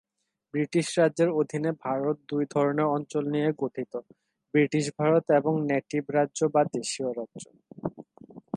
British রাজের অধীনে ভারত দুই ধরনের অঞ্চল নিয়ে গঠিত: ব্রিটিশ ভারত এবং নেটিভ রাজ্য বা দেশীয় রাজ্য।